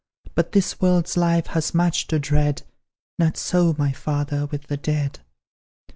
But this world's life has much to dread, Not so, my Father, with the dead.